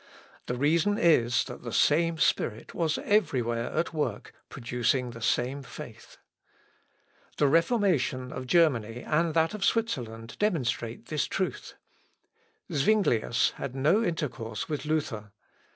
The reason is, that the same Spirit was every where at work producing the same faith. [Sidenote: MOVEMENTS IN SWITZERLAND.] The reformation of Germany and that of Switzerland demonstrate this truth. Zuinglius had no intercourse with Luther.